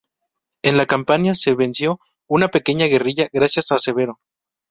En la Campania se venció una pequeña guerrilla gracias a Severo.